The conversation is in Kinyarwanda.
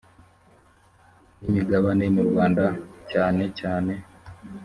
n imigabane mu rwanda cyane cyane